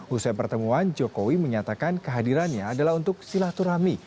usai pertemuan jokowi menyatakan kehadirannya adalah untuk silaturahmi